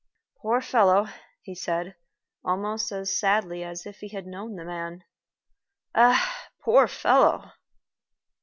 "Poor fellow," he said, almost as sadly as if he had known the man. "Ah! poor fellow!"